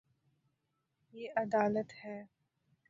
یے ادالت ہے